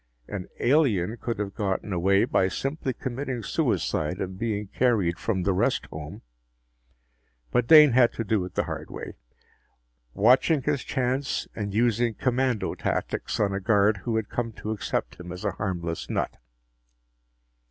An alien could have gotten away by simply committing suicide and being carried from the rest home, but Dane had to do it the hard way, watching his chance and using commando tactics on a guard who had come to accept him as a harmless nut.